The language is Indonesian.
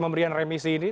pemberian remisi ini